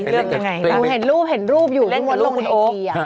ดูเห็นรูปอยู่เล่นกับลูกไอที